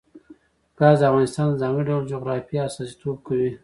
ګاز د افغانستان د ځانګړي ډول جغرافیه استازیتوب کوي.